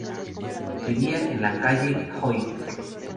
Vivían en la calle Hoyt.